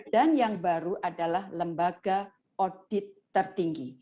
dan yang baru adalah lembaga audit tertinggi